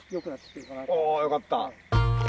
およかった！